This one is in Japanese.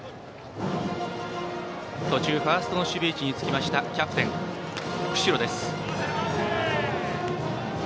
途中、ファーストの守備位置につきましたキャプテン、久城です。